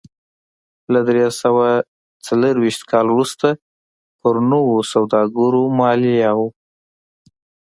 له درې سوه څلرویشت کال وروسته پر نویو سوداګرو مالیه و